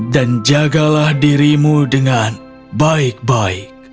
dan jagalah dirimu dengan baik baik